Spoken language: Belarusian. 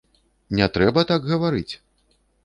Не трэба так гаварыць!